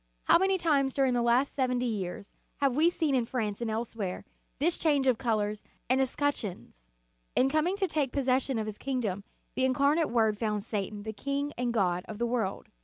How many times during the last seventy years have we seen in France and elsewhere, this change of colors and escutcheons! In coming to take possession of His kingdom, the Incarnate Word found Satan the king and god of the world.